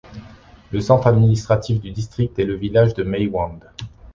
Le centre administratif du district est le village de Maiwand.